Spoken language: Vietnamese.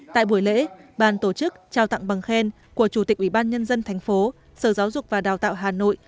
tại buổi lễ bàn tổ chức trao tặng bằng khen của chủ tịch ubnd tp sở giáo dục và đào tạo hà nội